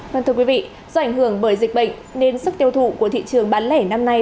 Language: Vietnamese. vâng thưa quý vị do ảnh hưởng bởi dịch bệnh nên sức tiêu thụ của thị trường bán lẻ năm nay